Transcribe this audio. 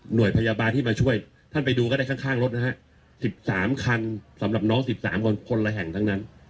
โดยพยาบาลที่มาช่วยท่านไปดูก็ได้ข้างรถนะฮะ๑๓คันสำหรับน้อง๑๓คนคนละแห่งทั้งนั้น